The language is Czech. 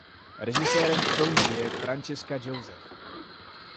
Režisérem filmu je Francesca Joseph.